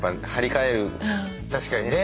確かにね。